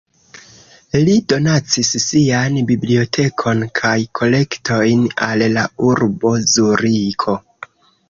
Li donacis sian bibliotekon kaj kolektojn al la urbo Zuriko.